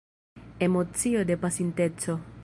Emocio de pasinteco.